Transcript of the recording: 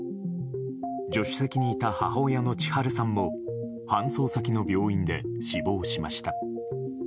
助手席にいた母親の千春さんも搬送先の病院で死亡しました。